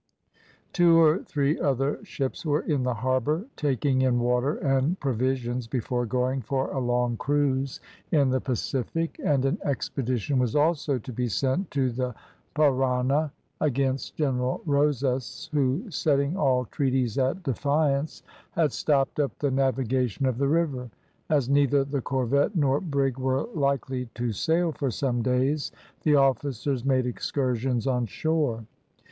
Two or three other ships were in the harbour, taking in water and provisions before going for a long cruise in the Pacific, and an expedition was also to be sent to the Parana against General Rosas, who, setting all treaties at defiance, had stopped up the navigation of the river. As neither the corvette nor brig were likely to sail for some days, the officers made excursions on shore.